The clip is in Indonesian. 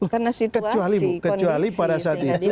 karena situasi kondisi sehingga dia mundur